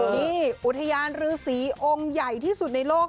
นี่อุทยานรือสีองค์ใหญ่ที่สุดในโลก